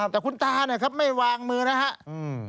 แต่คุณตาไม่วางมือนะครับ